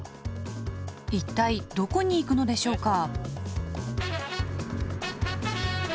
一体どこに行くのでしょうか？